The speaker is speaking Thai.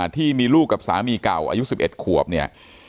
ที่มีลูกกับสามีเก่าอายุ๑๑ขวบเนี่ย